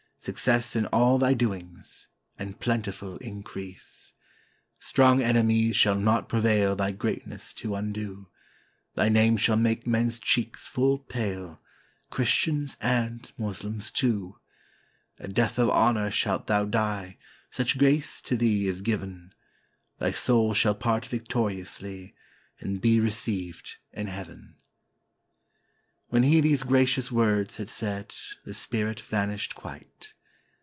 Success in all thy doings, and plentiful increase. " Strong enemies shall not prevail thy greatness to undo; Thy name shall make men's cheeks full pale — Chris tians and Moslems too; A death of honor shalt thou die, such grace to thee is given, Thy soul shall part victoriously, and be received in heaven." 448 THE CID AND THE LEPER When he these gracious words had said, the spirit van ished quite.